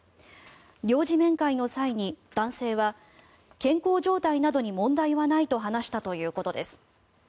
領事面会の際に、男性は健康状態などに問題はないと話したということです。